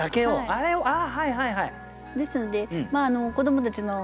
あれをああはいはいはい。